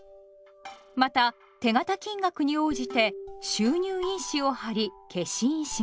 また手形金額に応じて収入印紙を貼り消印します。